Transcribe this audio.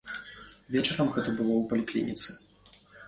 Вечарам гэта было ў паліклініцы.